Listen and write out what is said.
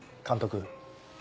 監督。